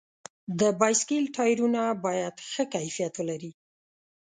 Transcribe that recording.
د بایسکل ټایرونه باید ښه کیفیت ولري.